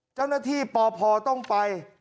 เจ้าหน้าที่ปพต้องไป